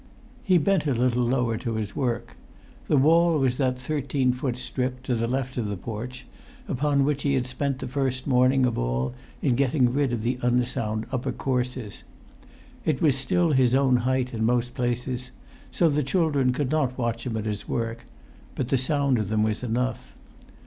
He bent a little lower to his work. The wall was that thirteen foot strip, to the left of the porch, upon which he had spent the first morning of all in getting rid of the unsound upper courses. It was still his own height in most places; so the children could not[Pg 190] watch him at his work; but the sound of them was enough.